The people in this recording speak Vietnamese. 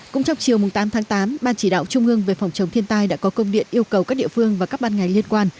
cũng trong chiều tám tháng tám ban chỉ đạo trung ương về phòng chống thiên tai đã có công điện yêu cầu các địa phương và các ban ngành liên quan